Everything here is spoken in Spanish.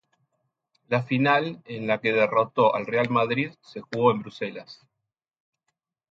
La final, en la que derrotó al Real Madrid, se jugó en Bruselas.